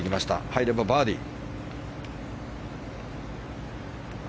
入ればバーディー。